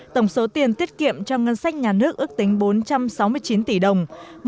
tổng số tiền tiết kiệm trong ngân sách nhà nước ước tính bốn trăm sáu mươi chín tỷ đồng